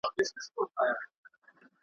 سور سالو يې د لمبو رنګ دی اخيستى.